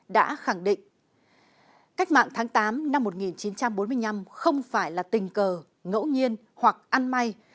đã khẳng định cách mạng tháng tám năm một nghìn chín trăm bốn mươi năm không phải là tình cờ ngẫu nhiên hoặc ăn may